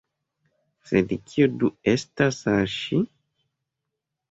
Sed kio do estas al ŝi?